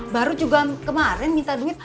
baru juga kemarin minta duit